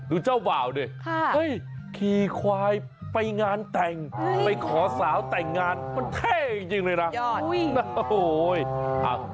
เจ้าบ่าวดิขี่ควายไปงานแต่งไปขอสาวแต่งงานมันเท่จริงเลยนะ